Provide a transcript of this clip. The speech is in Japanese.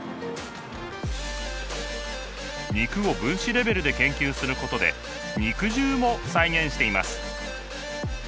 肉を分子レベルで研究することで肉汁も再現しています。